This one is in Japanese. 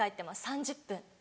３０分。